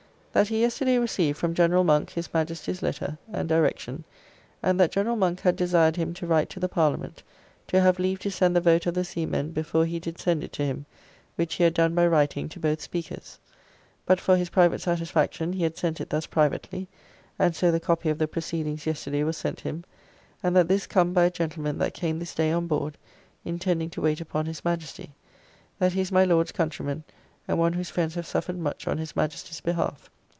"That he yesterday received from General Monk his Majesty's letter and direction; and that General Monk had desired him to write to the Parliament to have leave to send the vote of the seamen before he did send it to him, which he had done by writing to both Speakers; but for his private satisfaction he had sent it thus privately (and so the copy of the proceedings yesterday was sent him), and that this come by a gentleman that came this day on board, intending to wait upon his Majesty, that he is my Lord's countryman, and one whose friends have suffered much on his Majesty's behalf.